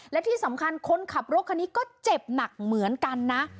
และที่สำคัญคนขับรถคันนี้ก็เจ็บหนักเหมือนกันนะ